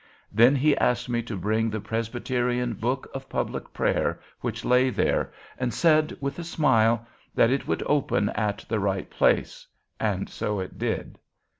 Then he asked me to bring the Presbyterian 'Book of Public Prayer' which lay there, and said, with a smile, that it would open at the right place, and so it did.